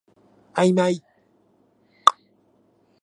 あいまい